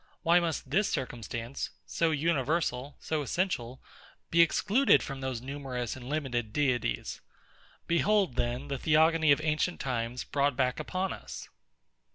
Why must this circumstance, so universal, so essential, be excluded from those numerous and limited deities? Behold, then, the theogony of ancient times brought back upon us.